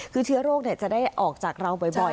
คือเชื้อโรคจะได้ออกจากเราบ่อย